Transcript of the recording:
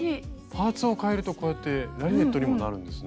パーツを替えるとこうやってラリエットにもなるんですね。